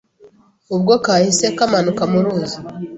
Ubwo kahise kamanuka mu ruzi,